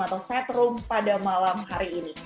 atau set room pada malam hari ini